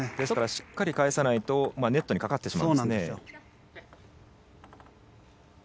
しっかり返さないとネットにかかってしまう。